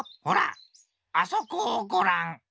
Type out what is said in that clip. ほらあそこをごらん。